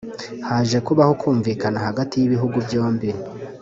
Haje kubaho kumvikana hagati y’ibihugu byombi